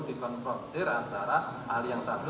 dikonfrontir antara ahli yang satu